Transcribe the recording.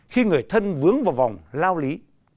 khi người thân vướng vào vòng lao lý